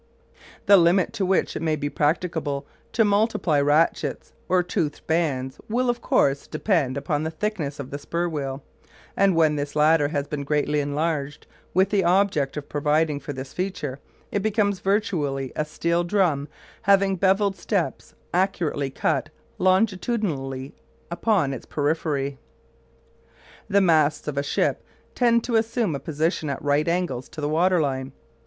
The limit to which it may be practicable to multiply ratchets or toothed bands will, of course, depend upon the thickness of the spur wheel, and when this latter has been greatly enlarged, with the object of providing for this feature, it becomes virtually a steel drum having bevelled steps accurately cut longitudinally upon its periphery. The masts of a ship tend to assume a position at right angles to the water line.